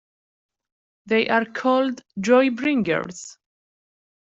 They are called "joy bringers".